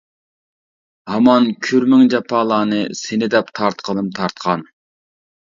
ھامان كۈرمىڭ جاپالارنى سېنى دەپ تارتقىنىم تارتقان.